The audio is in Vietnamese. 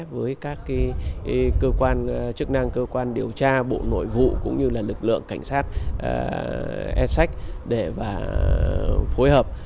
với các cơ quan chức năng cơ quan điều tra bộ nội vụ cũng như lực lượng cảnh sát sh để phối hợp